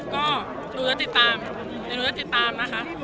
ก็รู้จักติดตามจะรู้จักติดตามนะคะ